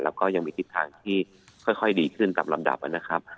แล้วก็ยังมีทิศทางที่ค่อยดีขึ้นตามลำดับนะครับ